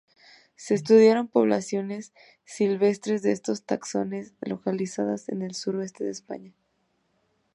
Se estudiaron poblaciones silvestres de estos taxones localizadas en el suroeste de España.